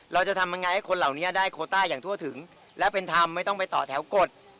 เราจะทำยังไงให้คนเหล่านี้ได้โคต้าอย่างทั่วถึงและเป็นธรรมไม่ต้องไปต่อแถวกฎ